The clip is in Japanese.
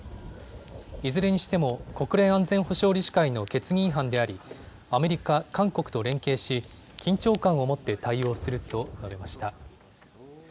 いずれにしても国連安全保障理事会の決議違反でありアメリカ、韓国と連携し、緊張感を持って対応すると述べました。